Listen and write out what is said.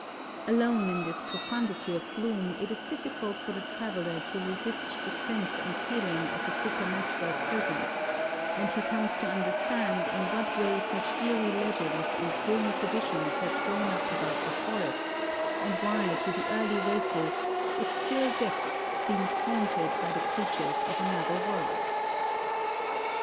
Alone in this profundity of gloom it is difficult for the traveller to resist the sense and feeling of a supernatural Presence, and he comes to understand in what way such eerie legends and grim traditions have grown up about the forest, and why to the early races its still depths seemed haunted by the creatures of another world.